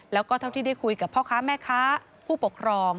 แล้วก็เท่าที่ได้คุยกับพ่อค้าแม่ค้าผู้ปกครอง